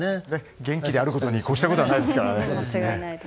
元気にあることに越したことはないですからね。